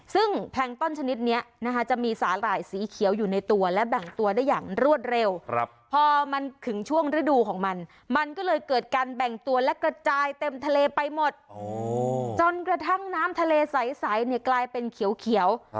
ซึ่งแพงต้นชนิดนี้นะคะจะมีสาหร่ายสีเขียวอยู่ในตัวและแบ่งตัวได้อย่างรวดเร็วพอมันถึงช่วงฤดูของมันมันก็เลยเกิดการแบ่งตัวและกระจายเต็มทะเลไปหมดจนกระทั่งน้ำทะเลใสเนี่ยกลายเป็นเขียว